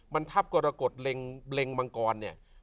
มันทับกรกฎเล็งมังกรเนี่ย